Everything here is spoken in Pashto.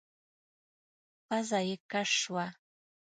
پزه يې کش شوه.